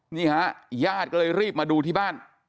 นี่ฮะญาติก็เลยรีบมาดูที่บ้าน